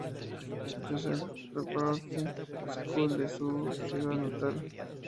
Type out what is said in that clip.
Joseph's Preparatory School de su ciudad natal.